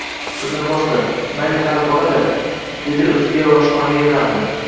O`zini bosdi, mayli hali bola-da, dedi o`ziga va oshxonaga yo`naldi